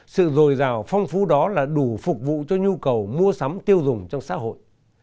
sự dồi dào phong phú đó là đủ phục vụ cho nhu cầu mua sắm tiêu dùng trong xã hội